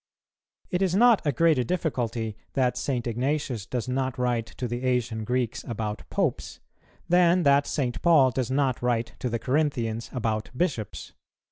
It is not a greater difficulty that St. Ignatius does not write to the Asian Greeks about Popes, than that St. Paul does not write to the Corinthians about Bishops.